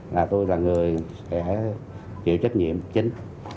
là tôi là người sẽ chịu trách nhiệm chính